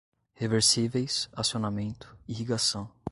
reversíveis, acionamento, irrigação